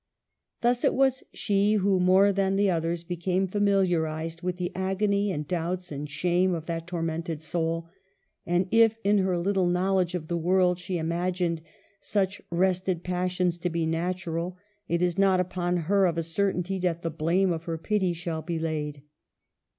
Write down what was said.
Thus it was she who, more than the others, became familiarized with the agony, and doubts, and shame of that tormented soul ; and if, in her little knowledge of the world, she im agined such wrested passions to be natural, it is not upon her, of a certainty, that the blame of her pity shall be laid.